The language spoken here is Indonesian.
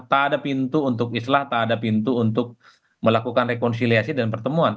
tak ada pintu untuk islah tak ada pintu untuk melakukan rekonsiliasi dan pertemuan